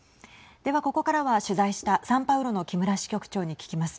では、ここからは取材したサンパウロの木村支局長に聞きます。